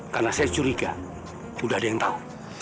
karena saya curiga udah ada yang tahu